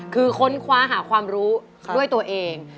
คือค้นคว้าหาความรู้ด้วยตัวเอง